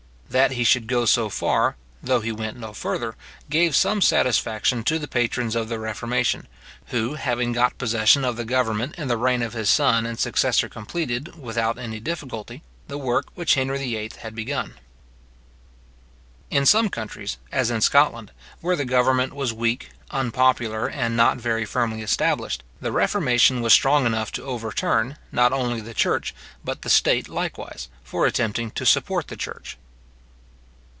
That he should go so far, though he went no further, gave some satisfaction to the patrons of the reformation, who, having got possession of the government in the reign of his son and successor completed, without any difficulty, the work which Henry VIII. had begun. In some countries, as in Scotland, where the government was weak, unpopular, and not very firmly established, the reformation was strong enough to overturn, not only the church, but the state likewise, for attempting to support the church.